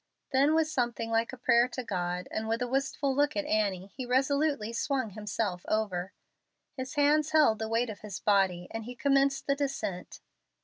Then, with something like a prayer to God and with a wistful look at Annie, he resolutely swung himself over. His hands held the weight of his body, and he commenced the descent.